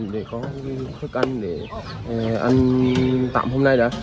để có thức ăn để ăn tạm hôm nay đã